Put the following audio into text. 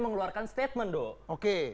mengeluarkan statement do oke